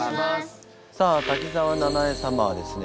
さあ滝沢ななえ様はですね